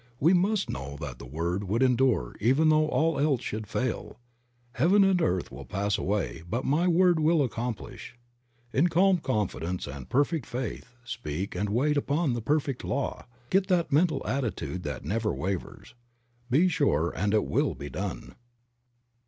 We must know that the word would endure even though all else should fail. "Heaven and earth will pass away but my word will accomplish." In calm confidence and perfect faith, speak and wait upon the perfect law. Get that mental attitude that never wavers. Be sure and it will be done.